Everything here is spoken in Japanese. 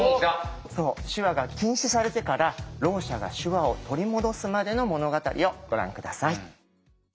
そう手話が禁止されてからろう者が手話を取り戻すまでの物語をご覧下さい。